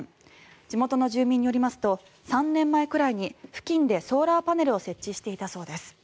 地元の住民によりますと３年前くらいに付近でソーラーパネルを設置していたそうです。